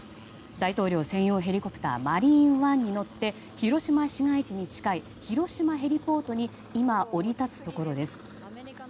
大統領専用ヘリコプター「マリーンワン」に乗って広島市街地に近い広島ヘリポートに今、降り立つところです。